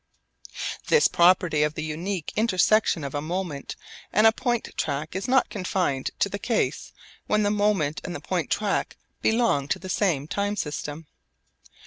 This property of the unique intersection of a moment and a point track is not confined to the case when the moment and the point track belong to the same time system.